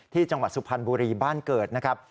จังหวัดสุพรรณบุรีบ้านเกิดนะครับ